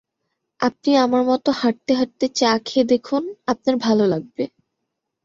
আপনি আমার মতো হাঁটতে হাঁটতে চা খেয়ে দেখুন আপনার ভাল লাগবে।